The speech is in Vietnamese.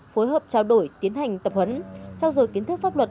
phối hợp trao đổi tiến hành tập huấn trao dồi kiến thức pháp luật